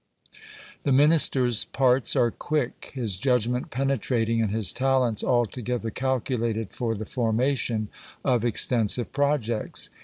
The minister's parts are quick, his judgment penetrating, and his talents altogether calculated for the formation of extensive projects.